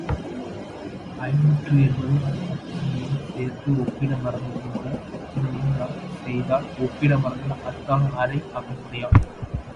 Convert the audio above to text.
ஐநூற்று எண்பது அத்தனையும் சேர்த்தும் உப்பிட மறந்தது போல, அத்தனையும்தான் செய்தாள், உப்பிட மறந்தாள், அத்தான் அரை அகமுடையான்.